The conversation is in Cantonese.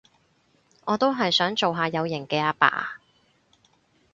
我都係想做下有型嘅阿爸